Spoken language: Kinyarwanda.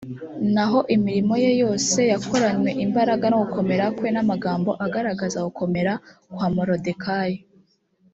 naho imirimo ye yose yakoranywe imbaraga no gukomera kwe n amagambo agaragaza gukomera kwa moridekayi